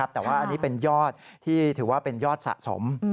แต่ว่าอันนี้เป็นยอดที่ถือว่าเป็นยอดสะสม